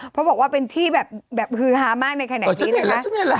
เพราะบอกว่าเป็นที่แบบแบบฮือฮามากในขณะนี้นะคะอ๋อฉันเห็นแล้วฉันเห็นแล้ว